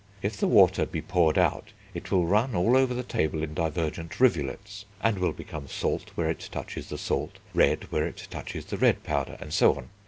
If the water be poured out, it will run all over the table in divergent rivulets, and will become salt where it touches the salt, red where it touches the red powder, and so on.